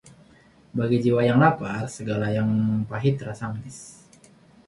bagi jiwa yang lapar, segala yang pahit terasa manis.